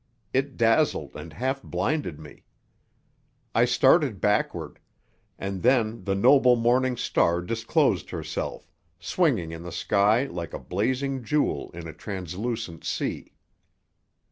It dazzled and half blinded me. I started backward; and then the noble morning star disclosed herself, swinging in the sky like a blazing jewel in a translucent sea.